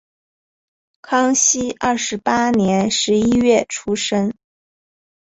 康熙二十八年十一月出生。